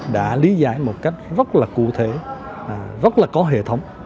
đã lý giải một cách rất là cụ thể rất là có hệ thống